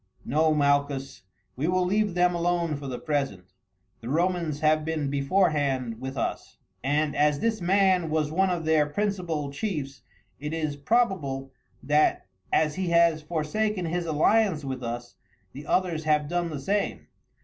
"No, Malchus, we will leave them alone for the present. The Romans have been beforehand with us, and as this man was one of their principal chiefs, it is probable that, as he has forsaken his alliance with us, the others have done the same.